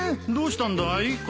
どうしたんだい？